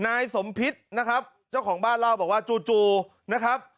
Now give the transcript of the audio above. นายสมพิษนะครับเจ้าของบ้านเล่าบอกว่าจู่จู่นะครับ